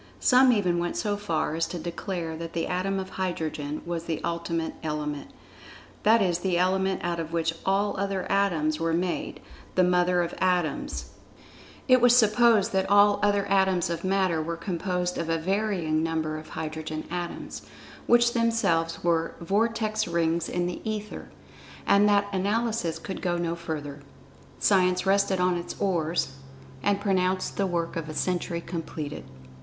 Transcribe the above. Some even went so far as to declare that the Atom of Hydrogen was the Ultimate Element, that is the Element out of which all other atoms were made—the[Pg 71] mother of Atoms—the Origin of Substance. It was supposed that all other Atoms of Matter were composed of a varying number of hydrogen Atoms, which themselves were "vortex rings in the Ether"—and that analysis could go no further. Science rested on its oars, and pronounced the work of a century completed.